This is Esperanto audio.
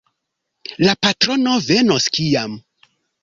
La patrono venos kiam?